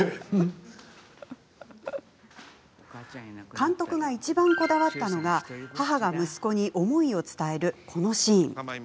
監督がいちばんこだわったのが母親が息子に思いを伝えるこのシーン。